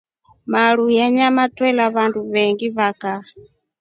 Maruu ya nyama twela wandu vengi va kaa.